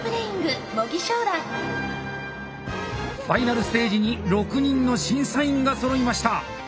Ｆｉｎａｌステージに６人の審査員がそろいました。